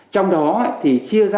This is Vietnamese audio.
trong đó thì chia ra